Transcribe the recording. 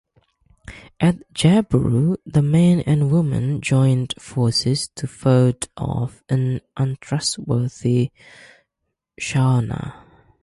At Jaburu, the men and women joined forces to vote off an untrustworthy Shawna.